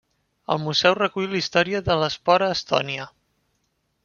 El museu recull la història de l'esport a Estònia.